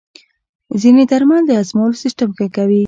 ځینې درمل د هضمولو سیستم ښه کوي.